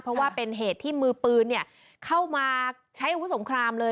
เพราะว่าเป็นเหตุที่มือปืนเข้ามาใช้อาวุธสงครามเลย